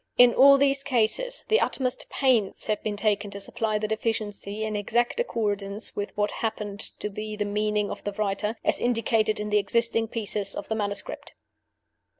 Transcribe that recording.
In all these cases the utmost pains have been taken to supply the deficiency in exact accordance with what appeared to be the meaning of the writer, as indicated in the existing pieces of the manuscript.